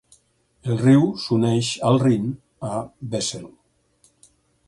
El riu s'uneix al Rin a Wesel.